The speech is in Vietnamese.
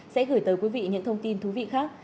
sẽ gửi tới quý vị những thông tin thú vị khác